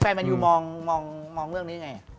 แมนยูมองเรื่องนี้ยังไง